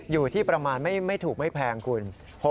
อยู่ที่ประมาณไม่ถูกไม่แพงคุณ